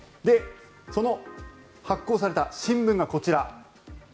で、その発行された新聞がこちら。